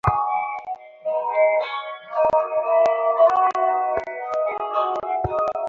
মন্দির থেকে শুরু করে আশপাশের এলাকা এখন হাজারো মানুষের পদভারে গমগম করছে।